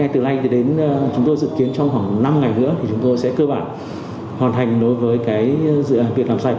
từ nay đến chúng tôi dự kiến trong khoảng năm ngày nữa thì chúng tôi sẽ cơ bản hoàn thành đối với dự án việc làm sạch